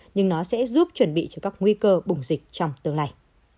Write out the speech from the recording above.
nhưng nó sẽ giúp chuẩn bị cho các nguy cơ bùng dịch trong tương lai